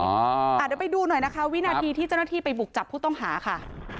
เดี๋ยวไปดูหน่อยนะคะวินาทีที่เจ้าหน้าที่ไปบุกจับผู้ต้องหาค่ะ